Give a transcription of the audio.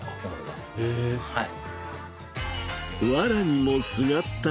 はい。